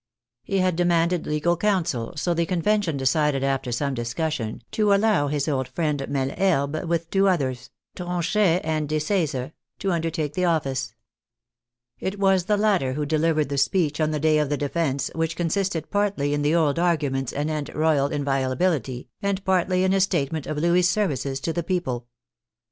He had demanded legal counsel, so the Convention decided after some discussion to allow his old friend Meleherbes, with two others. Tronchet and 54 THE FRENCH REVOLUTION Deseze, to undertake the office. It was the latter who delivered the speech on the day of the defence, which consisted partly in the old arguments anent royal inviola bility and partly in a statement of Louis's services to the people.